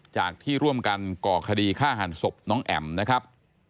จากที่ร่วมกันก่อคดีฆ่าหันศพน้องแอ๋มนะครับ